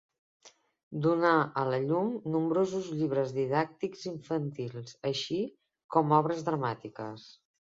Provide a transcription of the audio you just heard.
Donà a la llum nombrosos llibres didàctics i infantils, així com obres dramàtiques.